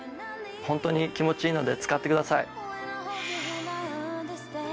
本当に気持ちいいので使ってください。